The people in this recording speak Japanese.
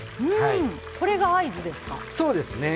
これが合図ですか。